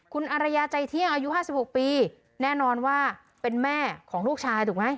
คุณอารยาใจเที่ยงอายุ๕๖ปีแน่นอนว่าเป็นแม่ของลูกชายถูกไหม